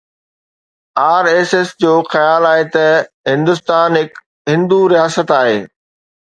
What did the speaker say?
R S S جو خيال آهي ته هندستان هڪ هندو رياست آهي